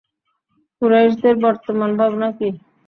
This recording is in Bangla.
কুরাইশদের বর্তমান ভাবনা কী?